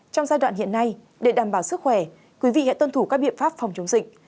trong giai đoạn hiện nay để đảm bảo sức khỏe quý vị hãy tuân thủ các biện pháp phòng chống dịch